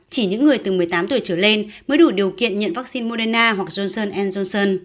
chỉ những người từ một mươi tám tuổi trở lên mới đủ điều kiện nhận vaccine moderna hoặc johnson johnson